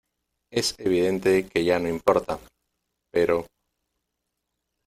es evidente que ya no importa, pero...